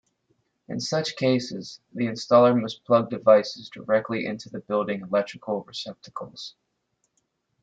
In such cases, the installer must plug devices directly into building electrical receptacles.